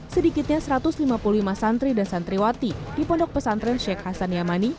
sedikitnya satu ratus lima puluh lima santri dan santriwati di pondok pesantren sheikh hasan yamani